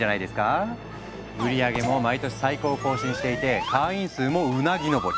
売り上げも毎年最高を更新していて会員数もうなぎ登り。